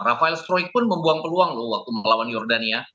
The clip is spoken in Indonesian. rafael stroik pun membuang peluang loh waktu melawan jordania